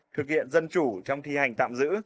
thực hiện dân chủ trong thi hành tạm giữ